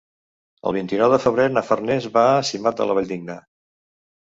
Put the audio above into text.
El vint-i-nou de febrer na Farners va a Simat de la Valldigna.